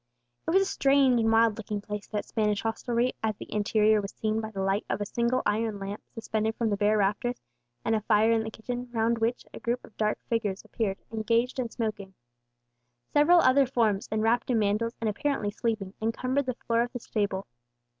It was a strange and wild looking place, that Spanish hostelry, as the interior was seen by the light of a single iron lamp suspended from the bare rafters, and a fire in the kitchen, round which a group of dark figures appeared, engaged in smoking. Several other forms, enwrapped in mantles, and apparently sleeping, encumbered the floor of the stable.